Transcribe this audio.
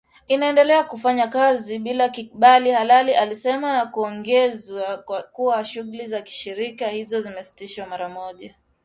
Inaendelea kufanya kazi bila kibali halali alisema na kuongeza kuwa shughuli za shirika hilo zimesitishwa mara moja